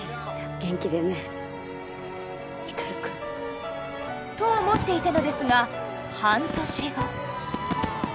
元気でね光くん。と思っていたのですが半年後。